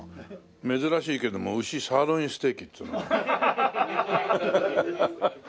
珍しいけども牛サーロインステーキっつうの。